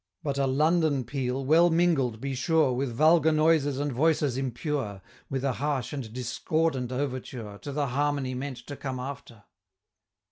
But a London peal, well mingled, be sure, With vulgar noises and voices impure, With a harsh and discordant overture To the Harmony meant to come after!